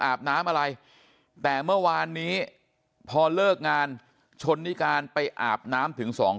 อาบน้ำอะไรแต่เมื่อวานนี้พอเลิกงานชนนิการไปอาบน้ำถึงสองคน